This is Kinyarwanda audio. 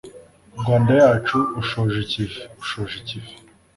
rwanda yacu ushoje ikivi , ushoje ikivi